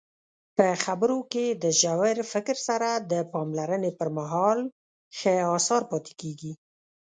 په خبرو کې د ژور فکر سره د پاملرنې پرمهال ښې اثار پاتې کیږي.